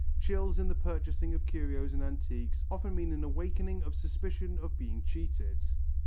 Chills in the purchasing of curios and antiques often mean an awakening of suspicion of being cheated.